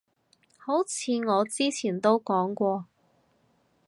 好似我之前都講過